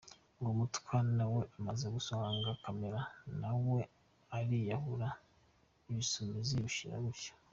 Uwo mutwa na we amaze gusonga Kamara na we ariyahura, Ibisumizi bishira gutyo.